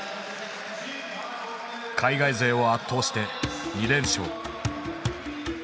海外勢を圧倒して２連勝。